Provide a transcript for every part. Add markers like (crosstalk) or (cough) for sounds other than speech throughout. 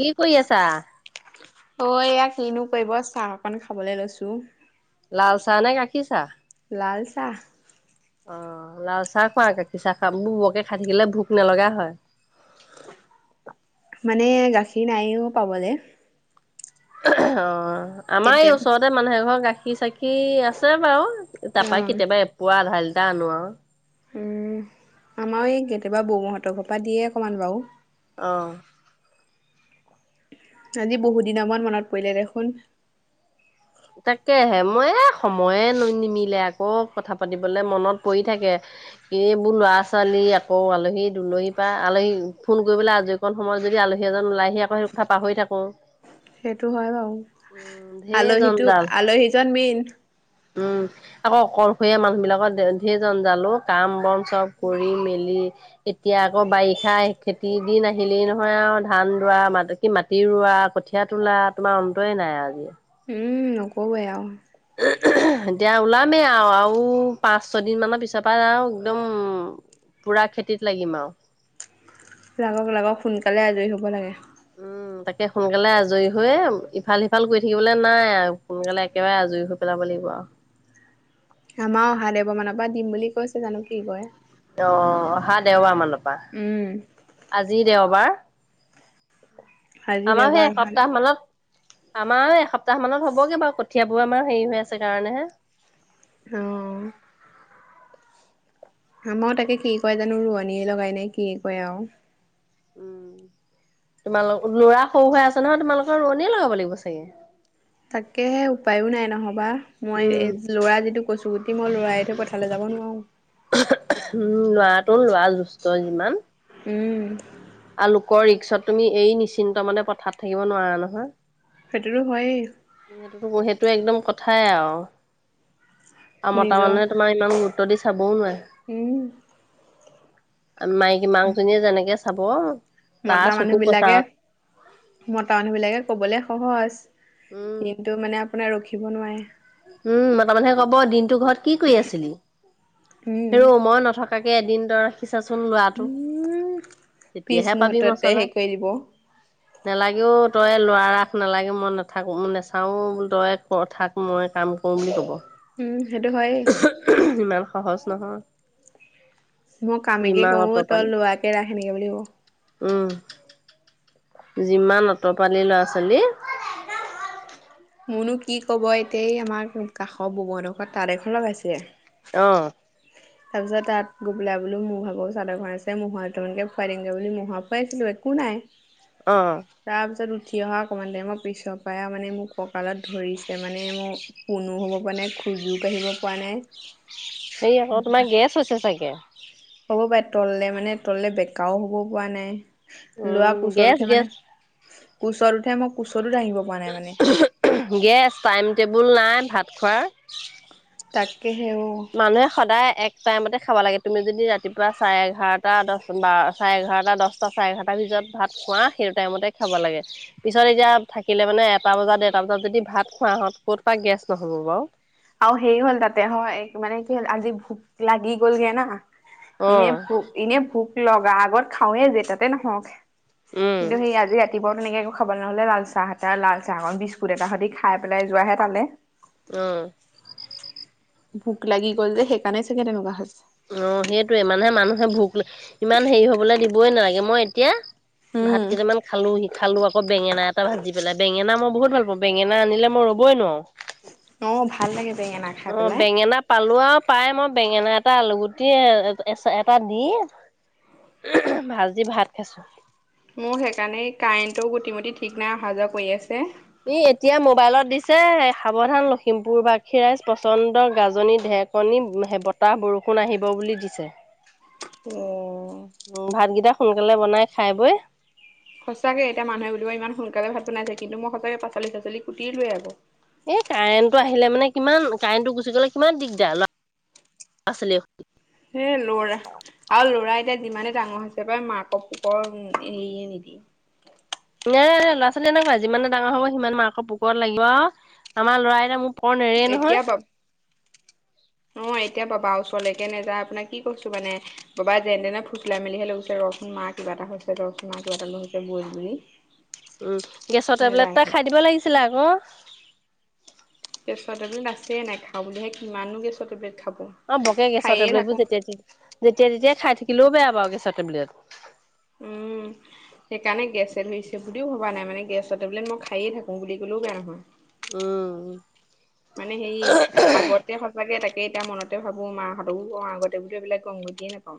কি কৰি আছা? অহ, এয়া কিনো কৰিব চাহ অকন খাবলৈ লৈছো। লাল চাহ নে গাখীৰ চাহ? লালচাহ অহ, লাল চাহ খোৱা, গাখীৰ চাহ খাম ব- বৰকে খাই থাকিলে ভোক নলগা হয়। (inaudible) মানে গাখীৰ নাইও পাবলে অহ, আমাৰ এই কেতিয়াবা ওচৰতে মানুহে ঘৰৰ গাখীৰ চাখি আছে বাৰু তাৰ অ পৰাই কেতিয়াবা এপুৱা, আধাই লিটাৰ আনো আৰু- উম, আমাৰ এই কেতিয়াবা বৌ হঁতৰ ঘৰৰ পৰা দিয়ে অকমান বাৰু অহ আজি বহুত দিনা মান মনত পৰিলে দেখোন তাকেহে মই এ সময়ে নি- নিমিলে আকৌ কথা পাতিবলে মনত পৰি থাকে এইবোৰ ল'ৰা- ছোৱালী আকৌ আলহী -দুলহী পা আলহী ফোন কৰিবলৈ আজৰিকন সময় যদি যদি আলহী এজন ওলাই আহি আকৌ সেইটো কথা পাহৰি থাকো। সেইটো হয় বাৰু ঢেৰ আলহীটো জঞ্জাল। -আলহীজন মেইন উম আকৌ অকলশৰীয়া মানুহ বিলাকৰ ধেই জম জাল ও কাম বন চব কৰি মেলি এতিয়া আকৌ বাৰিষা খেতি দিন আহিলেই নহয় আৰু ধান দোৱা মাত কি মাটি ৰুই ৰুৱা কঠিয়া তোলা তোমাৰ অন্তই নাই আজি উম নকবেই আৰু (unintelligible) (inaudible) এতিয়া ওলামেই আৰু আৰু পাঁচ ছয়দিন মানৰ পিছৰ পৰা আৰু একদম পুৰা খেতিত লাগিম আৰু লাগক লাগক সোনকালে আজৰি হ'ব লাগে উম উ তাকে সোনকালে আজৰি হৈ ইফাল সিফাল কৰি থাকিবলৈ নাই আৰু সোনকালে একেবাৰে আজৰি হৈ পেলাব লাগিব ৱা আমাৰ অহা দেওবাৰ মানৰ পৰা দিম বুলি কৈছে জানো কি কয় অ অহা দেওবাৰ মানৰ উম পৰা আজি দেওবাৰ আজি আমাৰ দেওবাৰ সেই অহা এসপ্তাহ মানত আমাৰ এসপ্তাহ মানত হ'বগে বাৰু কঠিয়াবোৰ আমাৰ হেৰি হৈ আছে কাৰণেহে হুম আমাৰ তাকে কি কয় জানো ৰোৱনীয়ে লগাই নাই কি কয় আৰু উম তোমালোক ল'ৰা সৰু হৈ আছে নহয় তোমালোকৰ ৰোৱনীয়ে লগাব লাগিব চাগে তাকেহে উপায়ো নাই নহ'বা মই উম। ল'ৰা যিটো কচুগুটি মই ল'ৰা এৰি থৈ পঠালে যাব নোৱাৰো। তোৰ ল'ৰা দুষ্ট যিমান। ওম আৰু লোকৰ ৰিক্সত তুমি এই নিশ্চিন্ত মানে পথাৰত থাকিব নোৱাৰা নহয়। সেইটোতো হয়েই। উ সেইটো একদম কথাই আৰু আও মতা নিজৰ মানুহে তোমাৰ ইমান গুৰুত্ব দি চাবও নোৱাৰে। উম মাইকী মাকজনীয়ে যেনেকে চাব তাৰ মতা চকু মানুহ বিলাকে পচাৰত মতা মানুহ বিলাকে ক'বলে সহজ উম। কিন্তু মানে আপোনাৰ ৰখিব নোৱাৰে উম মতামানুহে ক'ব দিনটো ঘৰত কি কৰি আছিলি উম হেৰ' মই নথকা কাকে এদিন তই ৰাখিছাচোন ল'ৰাটো উম পিছ তেতিয়াহে পাবি মুহুৰ্ততে মচলা। হেৰি কৰি দিব। নালাগেও তই ল'ৰা ৰাখ নালাগে মই নাথাকো নেচাও অ তই ক থাক মই কাম কৰো বুলি ক'ব। উম সেইটো হয়েই। ইমান সহজ নহয়। মই কামেকে যিমান কৰো তই অতপালি ল'ৰাকে ৰাখ সেনেকে বুলি ক'ব উম। যিমান অতপালি ল'ৰা ছোৱালীৰ। মোনো কি ক'ব এতিয়া এই আমাৰ কাষৰ ববৌহঁতঘৰত তাত এখন লগাইছে অহ তাৰপিছত তাত গৈ পেলাই বুলো মোৰ ভাগৰ চাদৰ এখন আছে মোহৰ দুটামানকে খুৱাই দিওঁগৈ বুলি মোহৰ খুৱাইছিলোঁ একো নাই অ তাৰপিছত উঠি অহা অকমান টাইমৰ পিছৰ পৰাই আও মানে মোক কঁকালত ধৰিছে মানে মোৰ পোনো হ'ব পৰা নাই খোজো কাঢ়িব পৰা নাই হে আকৌ তোমাৰ গেছ হৈছে ছাগে? হ'ব পাৰে তললে মানে তললে বেকাও হ'ব পৰা নাই ল'ৰা উম কোচত গেছ উঠে মানে গেছ কোচত উঠে মই কোচ গেছ টাইম টেবুল নাই ভাত খোৱাৰ তাকেহে অ। মানুহে সদায় এক টাইমতে খাব লাগে, তুমি যদি ৰাতিপুৱা চাৰে এঘাৰটা দশ চাৰে এঘাৰটা দশটা চাৰে এঘাৰটাৰ ভিতৰত ভাত খোৱা সেইটো টাইমতে খাব লাগে, পিছত এতিয়া থাকিলে মানে এটা বজাত, ডেৰটা বজাত যদি ভাত খোৱা হয় ক'ত পা গেছ নহ'ব বাৰু। আৰু হেৰি হ'ল তাতে হয় মানে কি হ'ল আজি ভোক লাগি গলগে না অ এনেই ভোক এনে ভোক লগা আগত খাওৱে যে তাতে নহওক। উম কিন্তু সেই আজি ৰাতিপুৱা তেনেকে খাব নহ'লে লাল চাহ, লাল চাহক বিস্কুট এটা স খাই পেলাই যোৱাহে তালে। অ। ভোক লাগি গ'ল যে সেইকাৰণে চাগে তেনেকুৱা হৈছ অ সেইটোৱে মানে মানুহে ভোক ইমান হেৰি হবলৈ দিবই নালাগে মই এতিয়া ভাত উম, কেইটামান খালো সি খালো আকৌ বেঙেনা এটা ভাজি পেলাই, বেঙেনা মই বহুত ভাল পাও বেঙেনা আনিলে মই ৰ'বই নোৱাৰো। অ' ভাল লাগে বেঙেনা খাই অ পেলাই। বেঙেনা পালো আৰু পাই মই বেঙেনা এট টা আলু গুটি, এ এছা এটা দি ভাজি ভাত খাইছো। মোৰ সেইকাৰণে কাৰেণ্টটো গোটি মুটি ঠিক নাই অহা যোৱা কৰি আছে। ই এতিয়া মোবাইলত দিছে, সাৱধান লখিমপুৰ বাসী ৰাইজ পচন্দ গাজনি ঢেৰ - কণী, বতাহ- বৰষুণ আহিব বুলি দিছে। উম ভাতকেইটা অ। সোনকালে বনাই খাই বৈ সঁচাকে, এতিয়া মানুহে বুলিব ইমান সোনকালে ভাত বনাইছে কিন্তু মই সচাকে পচলি চাচলি কোটিলোৱেই আগ এই কাৰেণ্টটো আহিলে মানে কিমান কাৰেণ্টটো গুচি গ'লে কিমান দিগদাৰ ল ৰা - ছোৱালীও সেই লৰা আৰু লৰা এতিয়া যিমানে ডাঙৰ হৈছে মাকৰ পকৰ এৰিয়ে নিদিয়ে। (inaudible) এ ল'ৰা- ছোৱালী এনেকুৱা যিমানে ডাঙৰ হব সিমান মাকৰ পুকুৰত লাগিব। আমাৰ ল'ৰা এটা মোক পকৰ নেৰে এতিয়া নহয়। বাপ অ (inaudible) এতিয়া বাবা ওচৰলৈকে নাযায় আপোনাক কি কৈছো মানে, বাবাই যেন তেনে ফুচলাই মেলিহে লৈ গৈছে ৰখোন মাক কিবা এটা হৈছে দৰ্চনা কিবা এটা নহৈ হৈছে বুজ বুলি। উম গেছৰ টেবলেট এটা নাযায়হি খাই দিব লাগিছিলে আক। গেছৰ টেবলেট আছে নাই খাওঁ বুলিহে, কিমানো গেছৰ টেবলেট খাব অ বকে গেছৰ খায়ে টেবলেট থাকো বোৰ যেতিয়া যেতিয়া যেতিয়াই খাই থাকিলেও বেয়া বাৰু গেছৰ টেবলেট। উম। সেইকাৰণে গেছে ধৰিছে বুলিও ভবা নাই মানে গেছৰ টেবলেট মই খাই থাকো বুলি কলেও বেয়া নহয়। উম। মানে সেই আগতে সঁচাকে তাকে তাকে এতিয়া মনতে ভাবো মাহঁতকো কওঁ আগতেতো এইবাক কওঁ গতিয়ে নাপাও।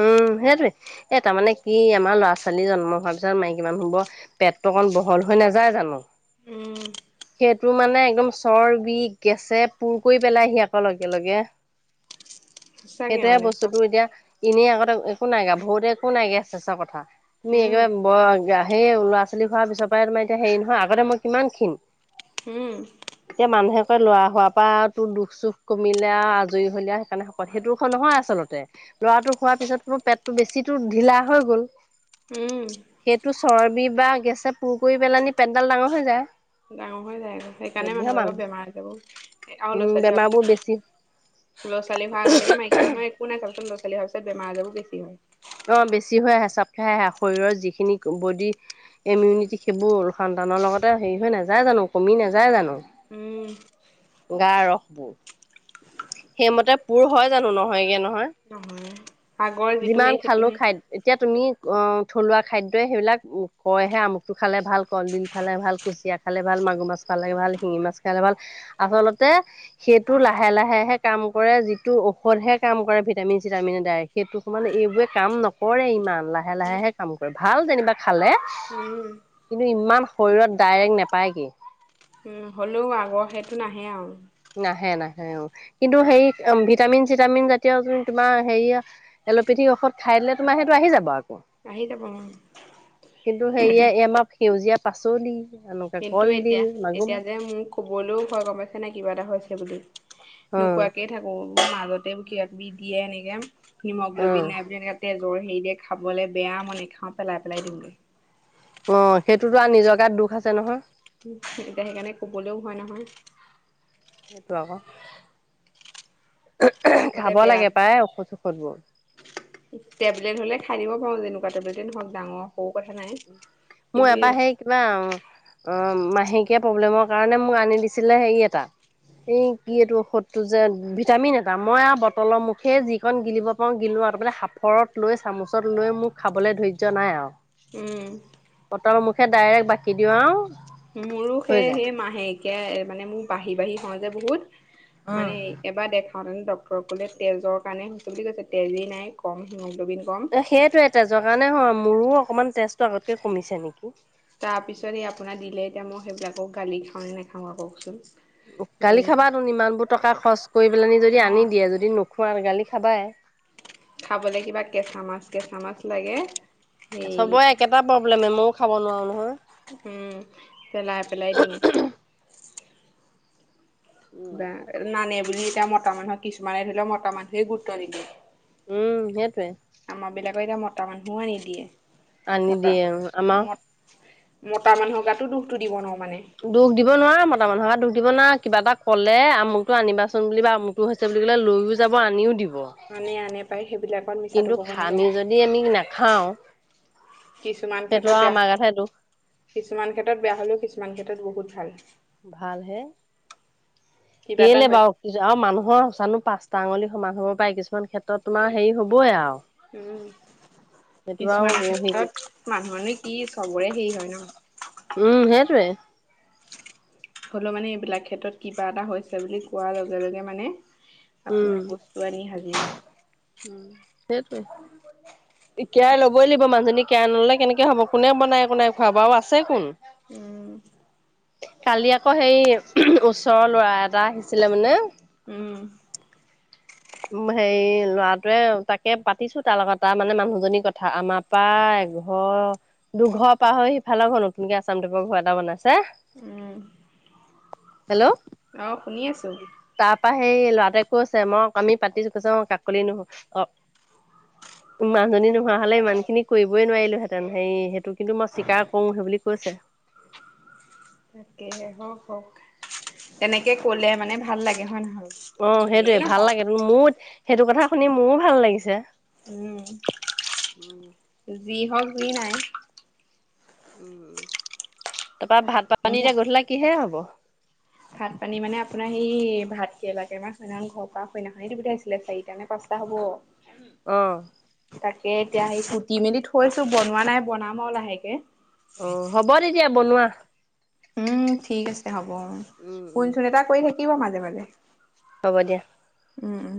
উম সেইটোয়ে। এই তাৰমানে কি আমাৰ ল'ৰা -ছোৱালী জন্ম হোৱাৰ পিছত মাইকী মানুহৰ পেট টোকণ বহল হৈ নাযায় জানো। উম সেইটো মানে একদম চৰ্বী, গেছে পুৰ কৰি পেলাইহি আকৌ লগে লগে। সঁচাকে সেইটোয়ে মানে বস্তুটো এতিয়া এনেই আগতে একো নাইগা বহুতে একো নাই গেছ চেচৰ কথা। তুমি উম একবাৰে ব সেই ল'ৰা- ছোৱালী খোৱাৰ পিছৰ পৰাই তোমাৰ এতিয়া হেৰি নহয় আগতে মই কিমান ক্ষীণ। উম। এতিয়া মানুহে লৰা হোৱাৰ পৰা তো দুখ চুখ কমিলে আৰু আজৰি হলে আৰু সেইকাৰণে শকত সেইটোখ নহয় আচলতে। ল'ৰাটো হোৱাৰ পিছতোনো পেটটো বেছিটো ঢিলা হৈ গ'ল। উম। সেইটো চৰ্বি বা গেছে পুৰ কৰি পেলানি পেটদাল ডাঙৰ হৈ যায়। ডাঙৰ হৈ যায়গৈ, সেইকাৰণে সেইবোৰহে মানুহবোৰ আকৌ মানুহ বেমাৰ হৈ যাব আৰু লৰা উম -ছোৱালী হোৱাৰ বেমাৰবোৰ পিছত বেছি লৰা -ছোৱালী হোৱাৰ আগলৈকে অহ, বেছি হৈ আহে চফ খাই আহে, শৰীৰৰ যিখিনি বডি ইমিউনিটি সেইবোৰ সন্তা নৰ লগতে হেৰি হৈ নাযায় জানো কমি নাযায় জানো? উম গা ৰসবোৰ। সেইমতে পোৰ হয় জানো নহয়গে নহয় নহয় আগৰ যিটো যিমান সেই সেইটো খালো সেই খাই এতিয়া তুমি অহ, থলুৱা খাদ্যই সেইবিলাক কয়হে আমুকটো খালে ভাল, কলডিল খালে ভাল, কুচিয়া খালে ভাল মাগুৰ মাছ খালে ভাল, শিঙি মাছ খালে ভাল, আচলতে সেইটো লাহে - লাহে সেই কাম কৰে যিটো ঔষধহে কাম কৰে ভিটামিন চিটামিন দ্বাৰাই, সেইটো মানে এইবোৰে কাম নকৰে। ইমান লাহে -লাহেহে কাম কৰে, ভাল যেনিবা খালে। উম। কিন্তু ইমান শৰীৰত ডাইৰেক্ট নেপায় গে হ'লেও আগৰ সেইটো নাহে আৰু। নাহে -নাহে অ। কিন্তু হেৰি ভিটামিন- চিটামিন জাতীয় তোমাৰ হেৰিয় এল'পেথিক ঔষধ খাই দিলে তোমাৰ সেইটো আহি যাব আৰু আহি যাব উম কিন্তু, সেয়ে এইআমাৰ সেউজীয়া পাচলি এনেকুৱা কিন্তু কলডিল এতিয়া মাগুৰ -এতিয়া যে মাহ মোক কবলৈও ভয় গম পাইছে নাই কিবা এটা হৈছে বুলি। উম নোকোৱাকে থাকো মাজতে কিবা -কিবি দিয়ে এনেকে হীমগ্লবিন উম। নাই বুলি এনেকে তেজৰ হেৰি দিয়ে খাবলৈ বেয়া মনে নেখাওঁ পেলাই -পেলাই দিওঁ গে অহ, সেইটোতো আৰু নিজৰ গাত দুখ আছে নহয়। এতিয়া সেইকাৰণে কবলৈও ভয় নহয়। সেইটো আকৌ খাবলে খাব বেয়া লাগে যে প্ৰায় ঔষধ - চোসুধ বোৰ টেবলেট হলে খাই দিবা পাৰো যেনেকুৱা তেবলেতে নহক ডাঙৰ সৰু কথা নাই মোৰ কিন্তু এই এবাৰ সেই কিবা অহ, মাহেকীয়া প্ৰব্লেমৰ কাৰণে মোক আনি দিছিলে হেৰি এটা এই কি এইটো ঔষধটো যে ভিটামিন এটা মই আৰু বটলৰ মুখে যি কণ গিলিব পাৰো গিলো সাফৰত লৈ চামুচত লৈ মোক খাবলৈ ধৈৰ্য নাই আৰু উম বটলৰ মুখে ডাইৰেক্ট বাকি দিওঁ আও মোৰো সেই -সেই মাহেকীয়া মানে মোৰ বাঢ়ি -বাঢ়ি হয় যে বহুত মানে এবাৰ দেখ মানে ডক্টৰ কলে তেজৰ কাৰণে বুলি কৈছে তেজেই নাই কম সেনো সেইটো এটা জগা নাই হয় মোৰো অকমান তেজটো আগতকে কমিছে নেকি তাৰপিছত এই আপোনাৰ দিলে এতিয়া মই সেইবিলাকক গালি খাওঁ নে নাখাওঁ আৰু ক'কচোন? গালি খাবা টো ইমানবোৰ টকা- খৰচ কৰি পেলনি যদি অ আনি দিয়ে যদি ন খোৱাহৈ গালি খাবাই খাবলৈ কিবা কেঁচা মাছ -কেঁচা মাছ লাগে। সেই চবৰে একেটা প্ৰব্লেম মইও খাব নোৱাৰো নহয়। উম, পেলাই -পেলাই দিওঁ। (inaudible) বা নানে বুলি এতিয়া মতা মানুহক কিছুমানে ধৰি লও মতা মানুহে গুৰুত্ব দিলে উম, সেইটোৱে। আকৌ এতিয়া মতা মানুহো আনি দিয়ে। আনি মতা দিয়ে, উম আমা ম মতা মানুহৰ গাতো দুখটো দিব নোৱা দুখ দিব নোৱাৰা মতা মানু্হক দুখ দিব নোৱাৰা কিবা এটা ক'লে আমুকটো আনিবাচোন বুলি বা আমুকটো হৈছে বুলি ক'লে লৈয়ও যাব আনিও দিব আনে আনে পায় সেইবিলাকত (inaudible) মিছাটো কিন্তু ক'ব নাপায় ঘামি যদি আমি নাখাওঁ কিছুমান সেইটো ক্ষেত্ৰত আৰু বেয়া আমাৰ গাতহে দুখ -কিছুমান ক্ষেত্ৰত বেয়া হলেও কিছুমান ক্ষেত্ৰত বহুত ভাল। ভাল হে, কিবা এটা কেলে হয় বাৰু কি আৰু মানুহৰ চানো পাঁচ টা আঙুলি সমান হব পায় কিছুমান ক্ষেত্ৰত তোমাৰ হেৰি হ'বই আৰু উম, সেইটো কিছুমান আৰু হেৰি ক্ষেত্ৰত মানুহনো কি চবৰে হেৰি হয়। (unintelligible) উম, সেইটোৱে। হ'লেও মানে, এইবিলাক ক্ষেত্ৰত কিবা এটা হৈছে বুলি কোৱাৰ লগে, লগে মানে, উম আপোনাৰ বস্তু আনি সাজি সেইটোৱে। কেয়াৰ ল'বই লাগিব, মানুহজনী কেয়াৰ ন'ললে কেনেকে হ'ব। কোনে বনাই বনাই খুৱাব আৰু আছে কোন। উম কালি আকৌ, সেই ওচৰৰ ল'ৰা এটা আহিছিলে মানে, উম! হেৰি ল'ৰাটোৱে তাকে, পাতিছোঁ তাৰ লগত, তাৰ মানে, মানুহজনীৰ কথা। আমাৰ পৰা এঘৰ দুঘৰ পাহৰি সিফালৰ ঘৰ নতুনকে আচামটাইপৰ ঘৰ এটা বনাইছে। উম। (unintelligible) হেল্ল'? অ শুনি আছো তাৰপা, সেই ল'ৰাটোৱে কৈছে, মই আমি পাতিছোঁ কৈছোঁ, কাকলি নুহো অ'! মানুহজনী নোহোৱা হ'লে ইমান খিনি কৰিবই নোৱাৰিলোহেতেন। হেৰি, সেইটো কিন্তু, মই স্বীকাৰ কৰোঁ সেই বুলি কৈছে। তাকে হে হক - হক। তেনেকে ক'লে মানে ভাল লাগে, হয় নহয়। অ যোনেই সেইটোয়ে ভাল নহওঁক। লাগে মোৰ সেইটো কথা শুনি মোৰো ভাল লাগিছে। উম, যি হওঁক যি নাই উম। তাপা ভাত-পানী মোৰ এতিয়া গধুলা কিহে হ'ব? ভাত - পানী মানে আপোনাৰ সেই ভাত কেৰেবাকমাৰ সৈনাখন ঘৰ পৰা সইনাখন পধাইছিলে চাৰিটা নে পাঁচটা হব। অ'। তাকে এতিয়া সেই কুটি মেলি থৈছো বনোৱা নাই বনাম আৰু লাহেকে। অ' হ'ব তেতিয়া, বনোৱা। উম, ঠিক আছে, হ'ব। উম উম। ফোন-চোন এটা কৰি থাকিব মাজে - মাজে। হ'ব দিয়া। উম উম।